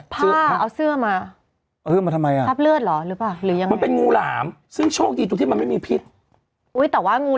ก็พยายามจะสะบัดที่งู